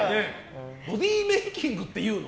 ボディーメイキングっていうの？